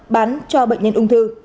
bán cho bệnh nhân ung thư